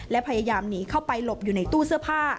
และพยายามหนีเข้าไปหลบอยู่ในตู้เสื้อผ้า